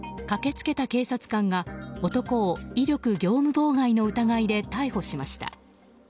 駆け付けた警察官が男を威力業務妨害の疑いで逮捕しました。